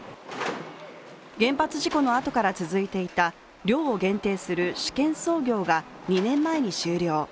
原発事故のあとから続いていた漁を限定する試験操業が２年前に終了。